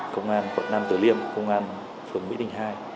công an quận nam tử liêm công an phường mỹ đình hai